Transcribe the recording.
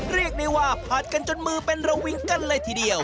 เรียกได้ว่าผัดกันจนมือเป็นระวิงกันเลยทีเดียว